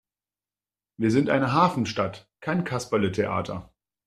Wir sind eine Hafenstadt, kein Kasperletheater!